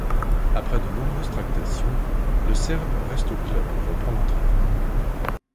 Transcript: Après de nombreuses tractations, le Serbe reste au club, et reprend l'entraînement.